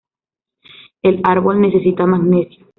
El árbol necesita magnesio.